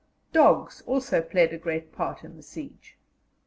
Dogs also played a great part in the siege.